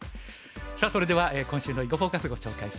さあそれでは今週の「囲碁フォーカス」ご紹介します。